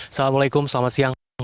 assalamualaikum selamat siang